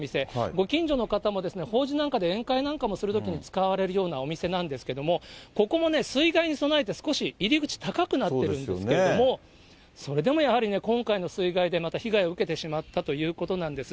ご近所の方も法事なんかで宴会なんかもするときに使われるお店なんですけれども、ここもね、水害に備えて、少し入り口、高くなってるんですけれども、それでもやはり、今回の水害でまた被害を受けてしまったということなんです。